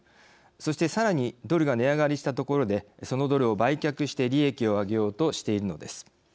そしてさらにドルが値上がりしたところでそのドルを売却して利益を上げようとしているのです。